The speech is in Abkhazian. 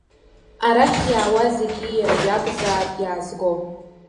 Арахь иаауа зегьы иара иакәзаап иаазго.